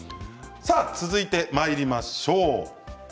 続いてまいりましょう。